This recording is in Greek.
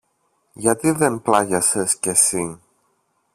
Γιατί δεν πλάγιασες και συ;